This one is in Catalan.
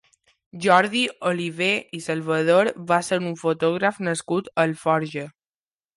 Jordi Olivé i Salvador va ser un fotògraf nascut a Alforja.